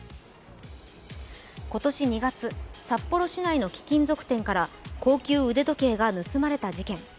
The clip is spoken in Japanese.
今年２月、札幌市内の貴金属店から高級腕時計が盗まれた事件。